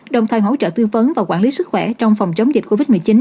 đồng thời hỗ trợ tư vấn và quản lý sức khỏe trong phòng chống dịch covid một mươi chín